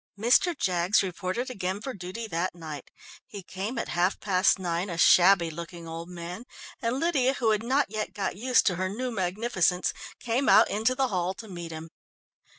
Mr. Jaggs reported again for duty that night. He came at half past nine, a shabby looking old man, and Lydia, who had not yet got used to her new magnificence, came out into the hall to meet him.